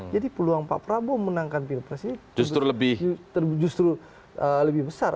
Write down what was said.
jadi peluang pak prabowo menangkan pemilu presiden justru lebih besar